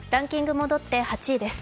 戻って８位です